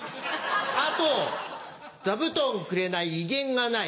あと座布団くれない威厳がない